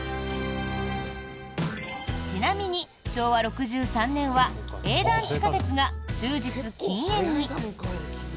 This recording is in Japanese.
ちなみに昭和６３年は営団地下鉄が終日禁煙に。